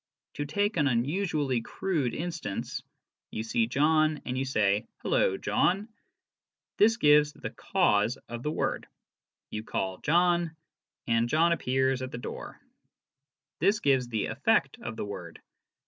To take an unusually crude instance : You see John, and you say, " Hullo, John " this gives the cause of the word ; you call " John," and John appears at the door this gives the effect of the word.